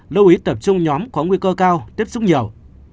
lưu ý tập trung nhóm có nguy cơ cao tiếp xúc nhiều